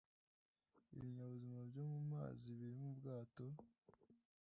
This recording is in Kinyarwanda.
ibinyabuzima byo mu mazi biri mu bwato